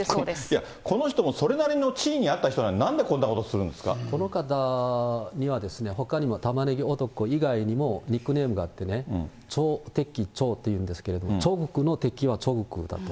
いや、この人もそれなりの地位にあった人なのに、なんでこんこの方には、ほかにもタマネギ男にもニックネームがあってね、チョ・テキ・チョと言いましてね、チョ・グクの敵はチョ・グクだと。